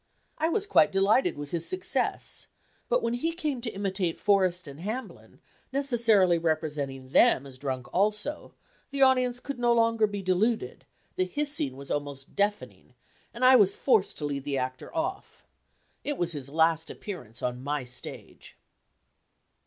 I was quite delighted with his success; but when he came to imitate Forrest and Hamblin, necessarily representing them as drunk also, the audience could be no longer deluded; the hissing was almost deafening, and I was forced to lead the actor off. It was his last appearance on my stage.